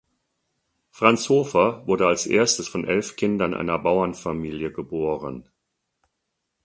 Franz Hofer wurde als erstes von elf Kindern einer Bauernfamilie geboren.